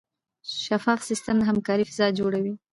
شفاف سیستم د همکارۍ فضا جوړوي.